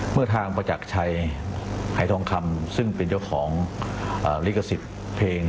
เมื่อทางประจักรชัยหายทองคำซึ่งเป็นเจ้าของลิขสิทธิ์เพลง